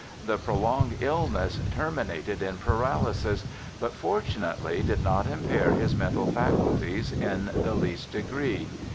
The prolonged illness terminated in paralysis, but, fortunately, did not impair his mental faculties in the sHghtest degree.